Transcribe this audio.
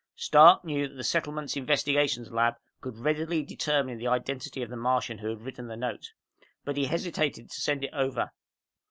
_ Stark knew that the Settlement's Investigations Lab could readily determine the identity of the Martian who had written the note. But he hesitated to send it over.